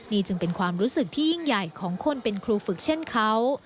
นี่จึงเป็นความรู้สึกที่ยิ่งใหญ่ของคนเป็นครูฝึกเช่นเขา